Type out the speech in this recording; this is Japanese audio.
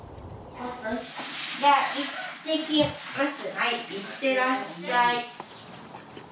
はい行ってらっしゃい。